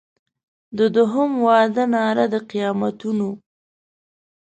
د دوهم واده ناره د قیامتونو